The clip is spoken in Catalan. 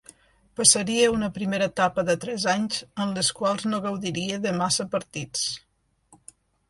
Passaria una primera etapa de tres anys, en les quals no gaudiria de massa partits.